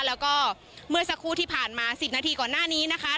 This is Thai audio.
แล้วก็เมื่อสักครู่ที่ผ่านมา๑๐นาทีก่อนหน้านี้นะคะ